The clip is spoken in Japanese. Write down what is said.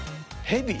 ヘビ？